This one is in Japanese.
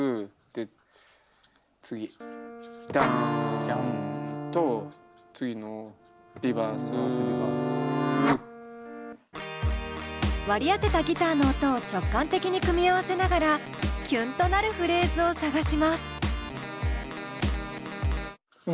で次ダン。と次のリバース！割り当てたギターの音を直感的に組み合わせながらキュンとなるフレーズを探します。